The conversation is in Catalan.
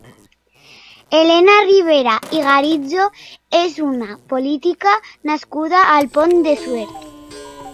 Elena Ribera i Garijo és una política nascuda al Pont de Suert.